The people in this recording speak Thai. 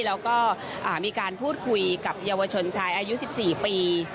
แล้วก็มีการพูดคุยกับเยาวชนชายอายุ๑๔ปี